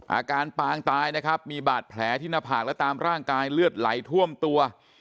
อาการปางตายนะครับมีบาดแผลที่หน้าผากและตามร่างกายเลือดไหลท่วมตัว